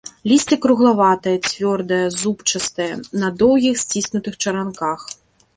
Лісце круглаватае, цвёрдае, зубчастае, на доўгіх, сціснутых чаранках.